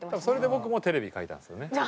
それで僕もテレビ描いたんですよね。